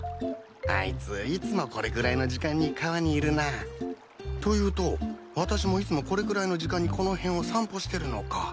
あいついつもこれくらいの時間に川にいるな。というと私もいつもこれくらいの時間にこの辺を散歩してるのか。